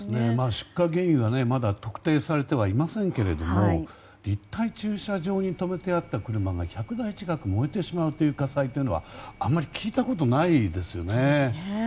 出火原因はまだ特定されていませんけども立体駐車場に止めてあった車が１００台近く燃えてしまう火災はあまり聞いたことがないですよね。